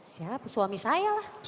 siapa suami saya lah